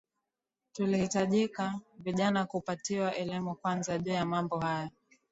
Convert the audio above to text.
Tulihitajika vijana kupatiwa elimu kwanza juu ya mambo haya